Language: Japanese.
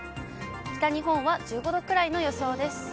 北日本は１５度くらいの予想です。